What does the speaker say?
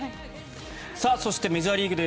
そして、メジャーリーグです。